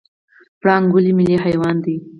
پړانګ ولې ملي حیوان دی؟